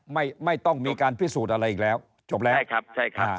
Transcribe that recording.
ไม่ต้องมีการพิสูจน์อะไรอีกแล้วจบแล้วใช่ครับใช่ค่ะ